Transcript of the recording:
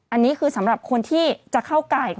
อันนี้คือสำหรับคนที่จะเข้าไก่